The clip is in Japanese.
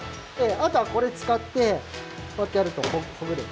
あとはこれ使ってこうやってやるとほぐれる。